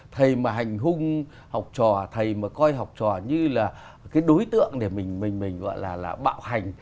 thầy mà hành hung học trò thầy mà coi học trò như là cái đối tượng để mình mình gọi là bạo hành